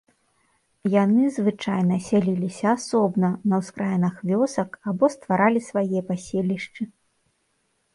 Яны звычайна сяліліся асобна на ўскраінах вёсак або стваралі свае паселішчы.